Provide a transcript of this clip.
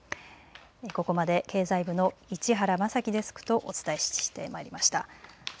ここまで経済部の市原将樹デスクとお伝えしました。